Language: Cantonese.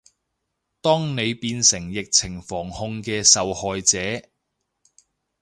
當你變成疫情防控嘅受害者